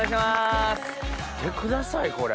見てくださいこれ。